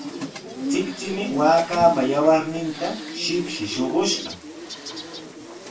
Chikchimi waakaapa yawarninta shipshi shuqushqa.